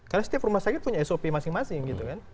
karena setiap rumah sakit punya sop masing masing